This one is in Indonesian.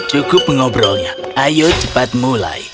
cukup mengobrolnya ayo cepat mulai